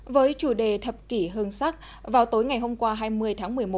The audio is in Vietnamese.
với chủ đề thập kỷ hương sắc vào tối ngày hôm qua hai mươi tháng một mươi một